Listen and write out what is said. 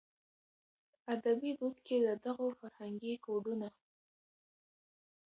ادبي دود کې د دغو فرهنګي کوډونو